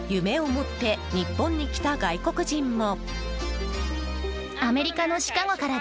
夢を持って日本に来た外国人も。